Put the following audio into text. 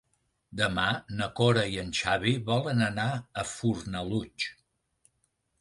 Demà na Cora i en Xavi volen anar a Fornalutx.